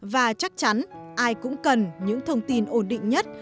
và chắc chắn ai cũng cần những thông tin ổn định nhất